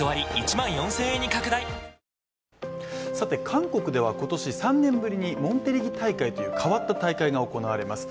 韓国では今年、３年ぶりにモンテリギ大会という変わった大会が行われます。